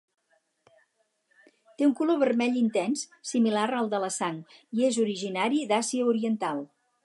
Té un color vermell intens, similar al de la sang i és originari d'Àsia oriental.